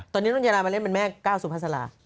ตอนนี้ต้นจักริกมาเล่นเป็นแม่ก้าวสุภาษลา